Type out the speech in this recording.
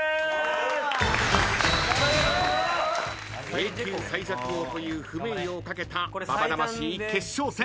永久最弱王という不名誉をかけたＢＡＢＡ魂決勝戦